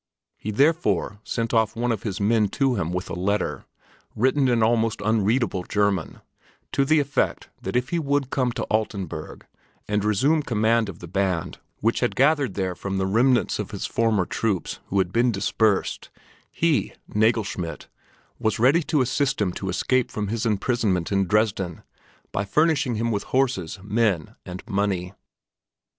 He therefore sent off one of his men to him with a letter, written in almost unreadable German, to the effect that if he would come to Altenburg and resume command of the band which had gathered there from the remnants of his former troops who had been dispersed, he, Nagelschmidt, was ready to assist him to escape from his imprisonment in Dresden by furnishing him with horses, men, and money.